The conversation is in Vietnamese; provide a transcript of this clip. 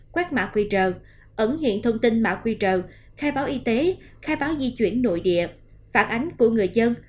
quét mạ quy trợ ẩn hiện thông tin mạ quy trợ khai báo y tế khai báo di chuyển nội địa phản ánh của người dân